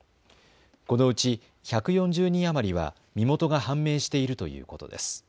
このうち１４０人余りは身元が判明しているということです。